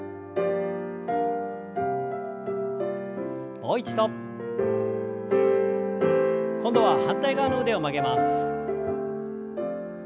もう一度。今度は反対側の腕を曲げます。